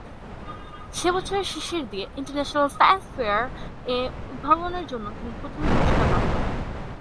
সে বছরের শেষের দিকে "ইন্টারন্যাশনাল সাইন্স ফেয়ার"-এ এই উদ্ভাবনের জন্য তিনি প্রথম পুরস্কার লাভ করেন।